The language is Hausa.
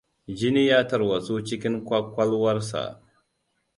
Jini ya tarwatsu cikin ƙwaƙwalwar sa.